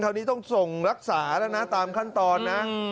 นี้ต้องส่งรักษาแล้วนะตามขั้นตอนนะ